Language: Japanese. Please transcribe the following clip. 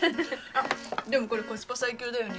あっでもこれコスパ最強だよね。